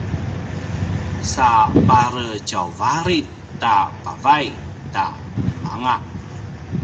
sa pare tjauvalit a pavay ta nemanga